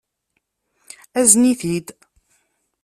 Azen-it-id!